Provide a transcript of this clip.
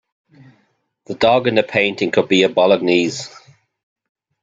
The dog in the painting could be a Bolognese.